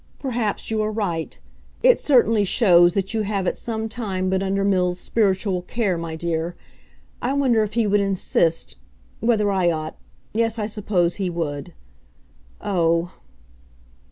Perhaps you are right. It certainly shows that you have at some time been under Mills' spiritual care, my dear. I wonder if he would insist whether I ought yes, I suppose he would. Oh!"